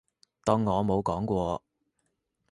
當我冇講過